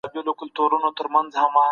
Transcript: له بېځايه وېرې ځان وساته